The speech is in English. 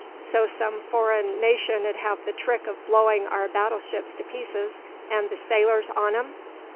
So some foreign nation'd have the trick of blowing our battleships to pieces, and the sailors on 'em?